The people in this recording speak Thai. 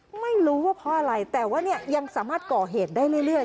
ไม่รู้ว่าเพราะอะไรแต่ว่าเนี่ยยังสามารถก่อเหตุได้เรื่อย